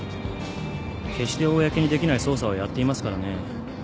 決して公にできない捜査をやっていますからね。